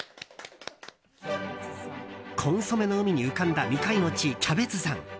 コンソメの海に浮かんだ未開の地、キャベツ山。